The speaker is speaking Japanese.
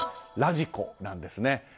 ラジコなんですね。